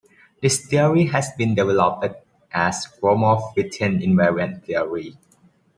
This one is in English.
This theory has been developed as Gromov-Witten invariant theory.